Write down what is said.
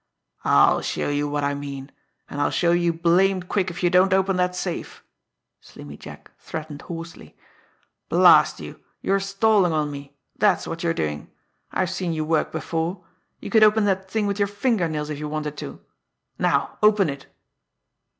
"I'll show you what I mean, and I'll show you blamed quick if you don't open that safe!" Slimmy Jack threatened hoarsely. "Blast you, you're stalling on me that's what you're doing! I've seen you work before. You could open that thing with your finger nails, if you wanted to! Now, open it!"